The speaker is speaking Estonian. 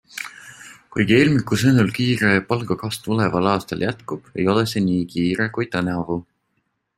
Kuigi Elmiku sõnul kiire palgakasv tuleval aastal jätkub, ei ole see nii kiire kui tänavu.